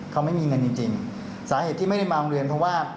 เขาไม่มีเงินจริงจริงสาเหตุที่ไม่ได้มาโรงเรียนเพราะว่า